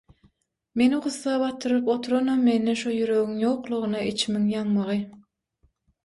Meni gussa batyryp oturanam mende şo ýüregiň ýoklugyna içimiň ýanmagy.